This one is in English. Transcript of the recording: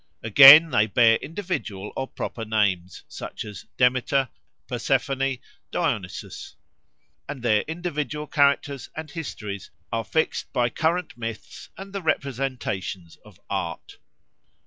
Again, they bear individual or proper names, such as Demeter, Persephone, Dionysus; and their individual characters and histories are fixed by current myths and the representations of art.